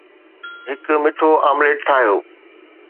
هڪ مٺو آمليٽ ٺاهيو